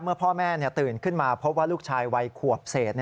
เมื่อพ่อแม่ตื่นขึ้นมาเพราะว่าลูกชายวัยขวบเศษ